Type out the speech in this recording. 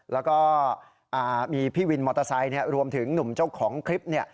แล้วก็มีพี่วินมอเตอร์ไซค์รวมถึงหนุ่มเจ้าของคลิปเนี่ย